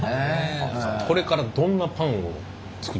これからどんなパンを作っていきたいですか？